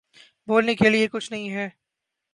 بولنے کے لیے کچھ نہیں ہے